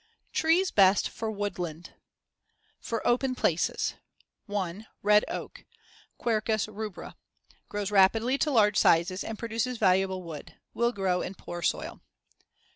TREES BEST FOR WOODLAND FOR OPEN PLACES 1. Red oak (Quercus rubra) Grows rapidly to large size and produces valuable wood; will grow in poor soil.